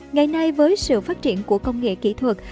ngày nay với sự phát triển của công nghệ kỹ thuật